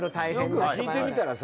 よく聞いてみたらさ